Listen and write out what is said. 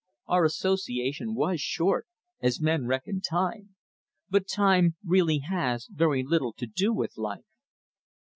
Our association was short, as men reckon time, but time really has very little to do with life.